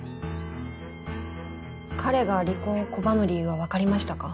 彼が離婚を拒む理由はわかりましたか？